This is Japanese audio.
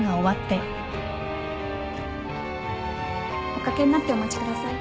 ・お掛けになってお待ちください。